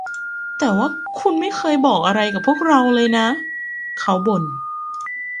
แต่ว่าคุณไม่เคยบอกอะไรกับพวกเราเลยนะ เขาบ่น